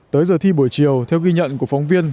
tới giờ thi buổi chiều theo ghi nhận của phóng viên